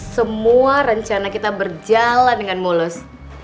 semua rencana kita berjalan dengan mulus